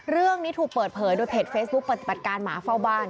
เรื่องนี้ถูกเปิดเผยโดยเพจเฟซบุ๊คปฏิบัติการหมาเฝ้าบ้าน